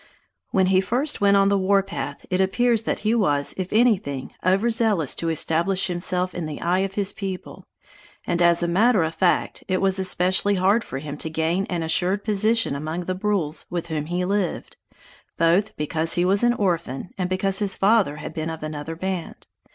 When he first went upon the warpath, it appears that he was, if anything, overzealous to establish himself in the eye of his people; and as a matter of fact, it was especially hard for him to gain an assured position among the Brules, with whom he lived, both because he was an orphan, and because his father had been of another band.